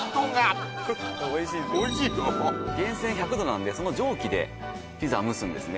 源泉１００度なんでその蒸気でピザ蒸すんですね